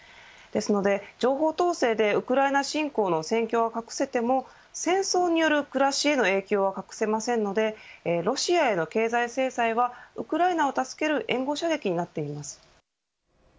ですので、情報統制でウクライナ侵攻の戦況は隠せても戦争による暮らしへの影響は隠せませんのでロシアへの経済制裁はウクライナを助ける援護射撃になっています。